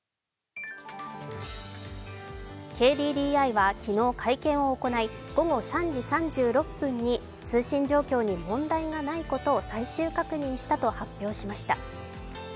ＫＤＤＩは昨日会見を行い、午後３時３６分に通信状況に問題がないことを最終確認したと発表しました。